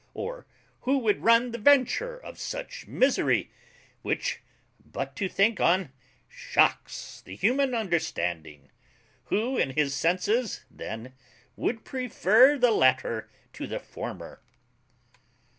Or who would run the venture of such misery, which, but to think on, shocks the human understanding? Who, in his senses, then, would prefer the latter to the former?